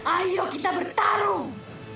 ayo kita bertarung